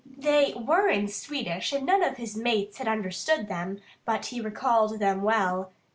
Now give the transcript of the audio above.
They were in Swedish and none of his mates had understood them, but he recalled them well.